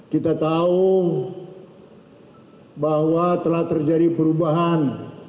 kita tahu bahwa telah terjadi perubahan